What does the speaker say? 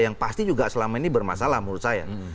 yang pasti juga selama ini bermasalah menurut saya